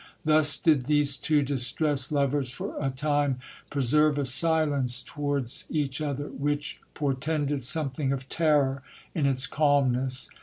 Thus did these two distressed lovers for a time preserve a silence towards each other, which por tended something of terror in its calmness.